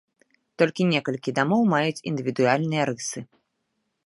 Толькі некалькі дамоў маюць індывідуальныя рысы.